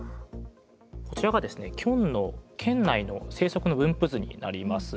こちらがキョンの県内の生息の分布図になります。